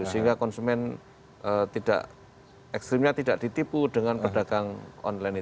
sehingga konsumen tidak ekstrimnya tidak ditipu dengan pedagang online itu